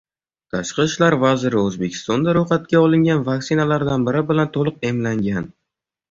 Tashqi ishlar vaziri O‘zbekistonda ro‘yxatga olingan vaksinalardan biri bilan to‘liq emlangan